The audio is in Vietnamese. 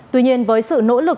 tuy nhiên với sự nỗ lực